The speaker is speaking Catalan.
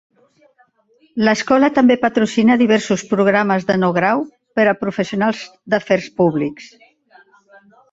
L'escola també patrocina diversos programes de no-grau per a professionals d'afers públics.